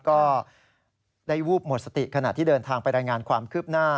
ก็ได้วูบหมดสติขณะที่เดินทางไปรายงานความคืบหน้า